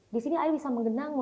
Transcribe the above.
disini air bisa mengenang